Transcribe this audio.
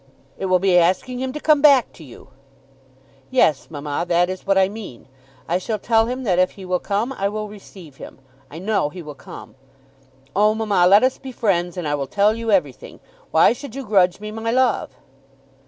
"It will be asking him to come back to you." "Yes, mamma: that is what I mean. I shall tell him that if he will come, I will receive him. I know he will come. Oh, mamma, let us be friends, and I will tell you everything. Why should you grudge me my love?"